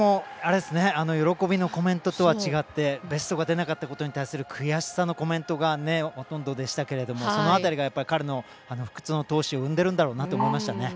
喜びのコメントとは違ってベストが出なかったことに対する悔しさのコメントがほとんどでしたけれどもその辺りが彼の不屈の闘志を生んでるんだろうなと思いましたよね。